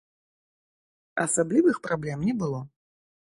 Асаблівых праблем не было.